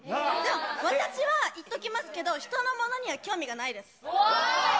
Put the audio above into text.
私は、言っときますけど、人のものには興味がないです。